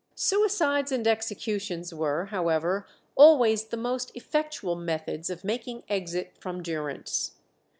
Suicides and executions were, however, always the most effectual methods of making exit from durance.